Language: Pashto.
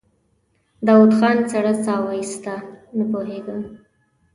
داوود خان سړه سا وايسته: نه پوهېږم.